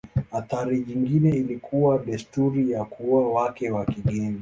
Athari nyingine ilikuwa desturi ya kuoa wake wa kigeni.